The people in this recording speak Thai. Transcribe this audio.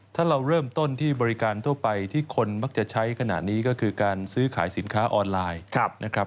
ถ้าเราเริ่มต้นที่บริการทั่วไปที่คนมักจะใช้ขนาดนี้ก็คือการซื้อขายสินค้าออนไลน์นะครับ